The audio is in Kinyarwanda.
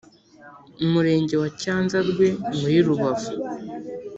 Umurenge wa Cyanzarwe muri Rubavu